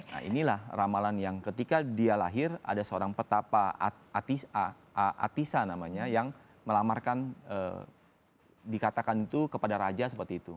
nah inilah ramalan yang ketika dia lahir ada seorang petapa atisa namanya yang melamarkan dikatakan itu kepada raja seperti itu